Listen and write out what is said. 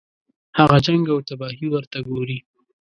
هغه جنګ او تباهي ورته ګوري.